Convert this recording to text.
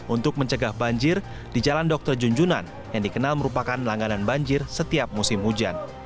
untuk mencegah banjir di jalan dr junjunan yang dikenal merupakan langganan banjir setiap musim hujan